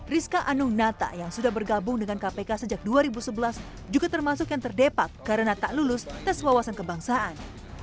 rizka anung nata yang sudah bergabung dengan kpk sejak dua ribu sebelas juga termasuk yang terdepak karena tak lulus tes wawasan kebangsaan